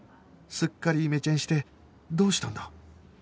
すっかりイメチェンしてどうしたんだ？